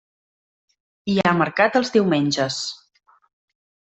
Hi ha mercat els diumenges.